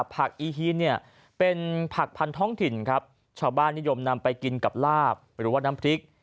ผักอีฮีนเป็นผักพันธองถิ่นชาวบ้านนิยมนำไปกินกับลาบหรือน้ำพริก